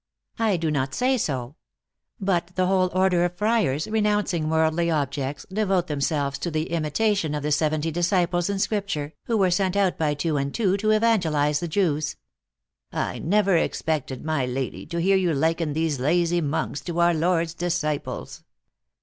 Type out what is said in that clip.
"I do not say so. But the whole order of friars, renouncing worldly objects, devote themselves to the THE ACTRESS IN HIGH LIFE. 155 N imitation of the seventy disciples in Scripture, who were sent out by two and two to evangelize the Jews." " I never expected, my lady, to hear you liken these lazy monks to our Lord s disciples."